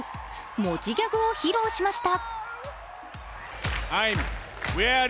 持ちギャグを披露しました。